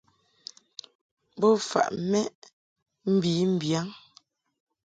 Bo faʼ mɛʼ mbi mbiyaŋ.